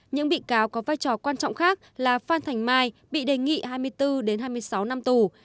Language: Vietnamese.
những bị cáo có vai trò quan trọng khác là phan thành mai bị đề nghị hai mươi bốn hai mươi sáu năm tù